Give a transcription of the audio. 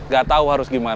gak tahu harus gimana